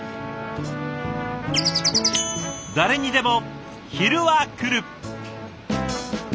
誰にでも昼はくる。